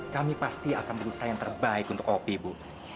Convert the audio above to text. kami pasti akan berusaha yang terbaik untuk op ibu